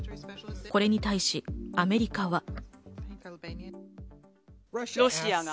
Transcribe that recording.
これに対し、アメリカは？